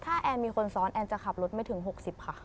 ถ้าแอนมีคนซ้อนแอนจะขับรถไม่ถึง๖๐ค่ะ